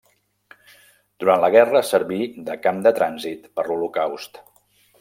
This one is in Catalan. Durant la guerra serví de camp de trànsit per l'Holocaust.